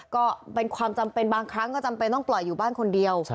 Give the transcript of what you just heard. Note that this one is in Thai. ก็เป็นความจำเป็นบางครั้งก็จำเป็นต้องปล่อยอยู่บ้านคนเดียว